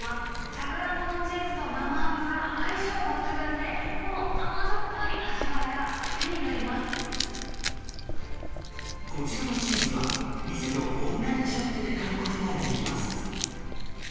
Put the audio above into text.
さくらんぼのチーズと生ハムが相性抜群で、この甘じょっぱい味わこちらのチーズは、店のオンラインショップで買うことができます。